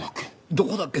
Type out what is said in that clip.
「どこだっけ」